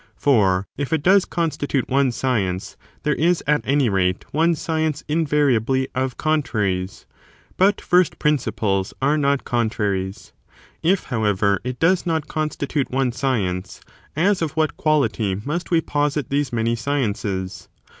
For if it does constitute one science, there is, at any rate, one science invariably of contraries; but first prin ciples are not contraries. I^ however, it does not constitute one science, as of what quality must we posite these many sciences?